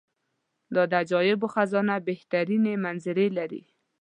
دا د عجایبو خزانه بهترینې منظرې لري.